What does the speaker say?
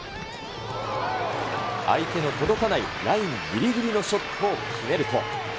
相手の届かないラインぎりぎりのショットを決めると。